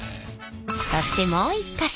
そしてもう一か所！